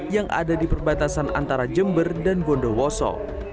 yang ada di perbatasan antara jember dan bondowoso